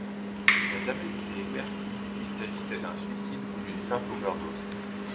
Il n'a jamais été éclairci s'il s'agissait d'un suicide ou d'une simple overdose.